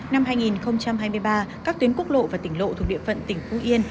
năm hai nghìn hai mươi ba các tuyến quốc lộ và tỉnh lộ thuộc địa phận tỉnh phú yên